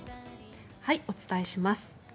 お伝えします。